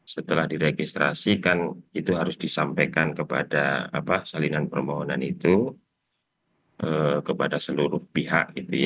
setelah diregistrasi kan itu harus disampaikan kepada salinan permohonan itu kepada seluruh pihak